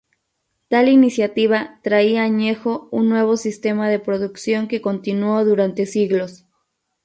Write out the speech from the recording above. Tal iniciativa traía anejo un nuevo sistema de producción que continuó durante siglos.